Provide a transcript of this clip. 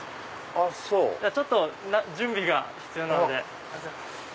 ちょっと準備が必要なので。